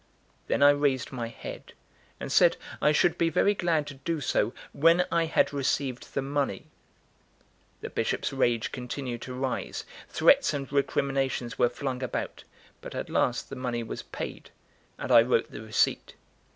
Then I raised my head, and said I should be very glad to do so when I had received the money. The Bishop's rage continued to rise; threats and recriminations were flung about; but at last the money was paid, and I wrote the receipt.